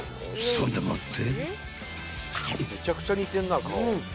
［そんでもって］